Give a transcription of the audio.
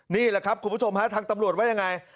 นี่แหละครับคุณผู้ชมฮะทางตำรวจว่ายังไง